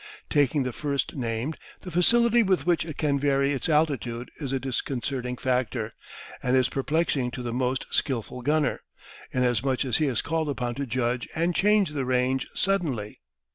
Taking the first named, the facility with which it can vary its altitude is a disconcerting factor, and is perplexing to the most skilful gunner, inasmuch as he is called upon to judge and change the range suddenly.